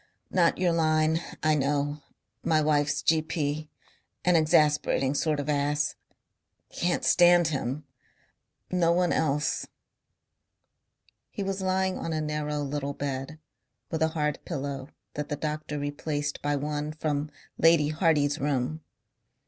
"Not your line. I know.... My wife's G.P. an exasperating sort of ass. Can't stand him. No one else." He was lying on a narrow little bed with a hard pillow that the doctor replaced by one from Lady Hardy's room.